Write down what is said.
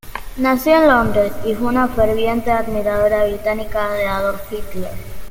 Nació en Londres y fue una ferviente admiradora británica de Adolf Hitler.